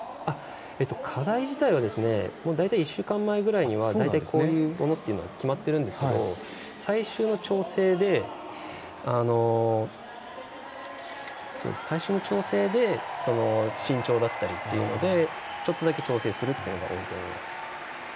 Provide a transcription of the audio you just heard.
課題自体は大体１週間前ぐらいにはこういうものって決まってるんですけども最終の調整で身長だったりというのでちょっとだけ調整するのが多いと思います。